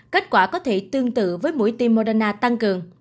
kết quả có thể tương tự với mũi tim moderna tăng cường